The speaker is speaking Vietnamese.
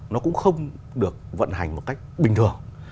nó cũng không được vận hành một cách bình thường